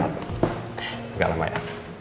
gak lama ya